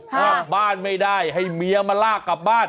กลับบ้านไม่ได้ให้เมียมาลากกลับบ้าน